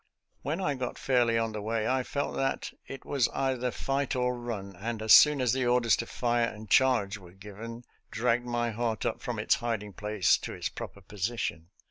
When I got fairly on the way I felt that it was either fight or run, and as soon as the orders to fire and charge were given, dragged my heart up from its hiding place to its proper position.